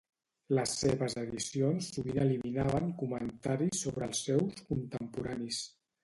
Les seves edicions sovint eliminaven comentaris sobre els seus contemporanis.